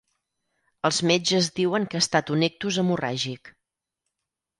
Els metges diuen que ha estat un ictus hemorràgic.